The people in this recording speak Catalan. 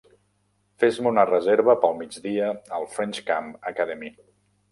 Fes-me una reserva pel migdia al French Camp Academy